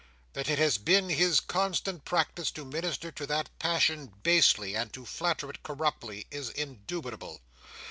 That it has been his constant practice to minister to that passion basely, and to flatter it corruptly, is indubitable.